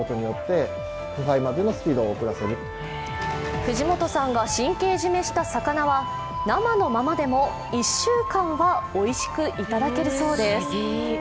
藤本さんが神経締めした魚は、生のままでも１週間はおいしくいただけるそうです。